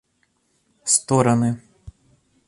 стороны